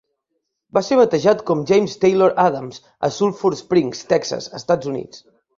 Va ser batejat com James Taylor Adams a Sulphur Springs, Texas (Estats Units).